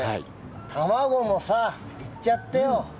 卵もいっちゃってよ。